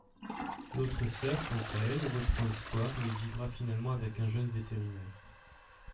L'autre sœur, quant à elle, reprend espoir mais vivra finalement avec un jeune vétérinaire.